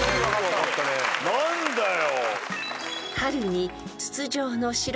何だよ。